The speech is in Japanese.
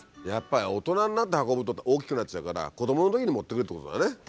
やっぱり大人になって運ぶと大きくなっちゃうから子どものときに持っていくってことだね。